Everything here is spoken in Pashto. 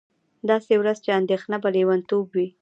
داسې ورځ چې اندېښنه به لېونتوب وي